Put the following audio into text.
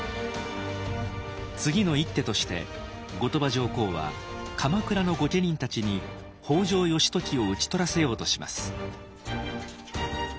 次の一手として後鳥羽上皇は鎌倉の御家人たちに北条義時を討ちとらせようとします。